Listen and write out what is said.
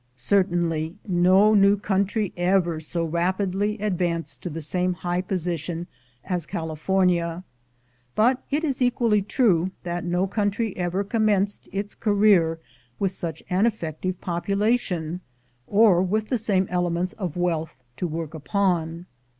Certainly no new country ever so rapidly advanced to the same high position as California; but it is equally true that no country ever commenced its career with such an effective population, or with the same elements of wealth to work upon.